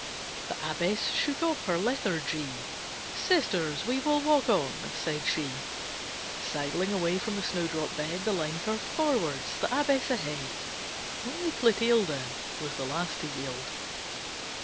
The Abbess shook off her lethargy. "Sisters, we will walk on," said she. Sidling away from the snowdrop bed, The line curved forwards, the Abbess ahead. Only Clotilde Was the last to yield.